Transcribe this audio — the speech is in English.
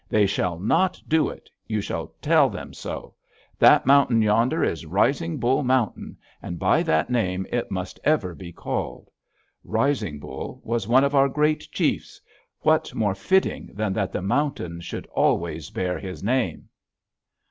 They shall not do it! You tell them so! That mountain yonder is Rising Bull Mountain, and by that name it must ever be called! Rising Bull was one of our great chiefs: what more fitting than that the mountain should always bear his name?"